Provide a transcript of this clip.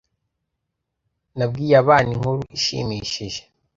Nabwiye abana inkuru ishimishije.